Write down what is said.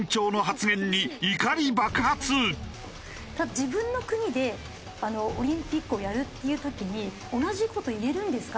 自分の国であのオリンピックをやるっていう時に同じ事言えるんですか？